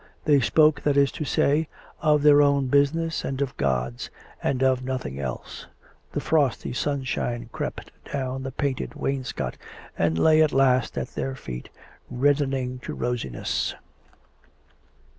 They spoke, that is to say, of their own business and of God's; and of nothing else. The frosty sunshine crept down the painted 16 COME RACK! COME ROPE! wainscot and lay at last at tlieir feet, reddening to rosi ness.